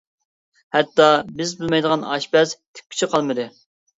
ھەتتا بىز بىلمەيدىغان ئاشپەز، تىككۈچى قالمىدى.